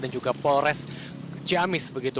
dan juga polres ciamis